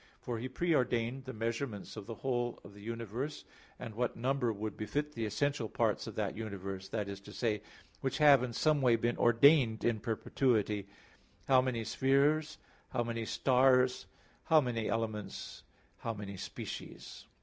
For He pre ordained the measurements of the whole of the universe, and what number would befit the essential parts of that universe that is to say, which have in some way been ordained in perpetuity; how many spheres, how many stars, how many elements, and how many species.